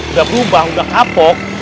udah berubah udah kapok